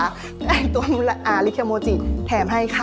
เองไต้ตัวเหล้าลิเวย์โมจิแถมให้ค่ะ